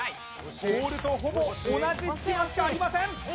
ボールとほぼ同じ隙間しかありません